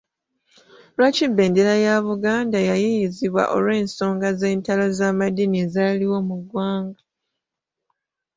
Lwaki bendera ya Buganda yayiiyizibwa olw’ensonga z’entalo z’amadiini ezaaliwo mu ggwanga?